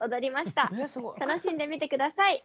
楽しんで見て下さい。